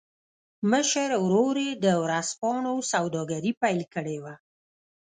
مشر ورور يې د ورځپاڼو سوداګري پیل کړې وه